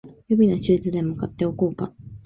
予備のシューズでも買っておこうか